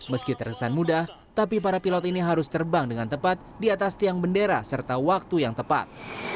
meski terkesan mudah tapi para pilot ini harus terbang dengan tepat di atas tiang bendera serta waktu yang tepat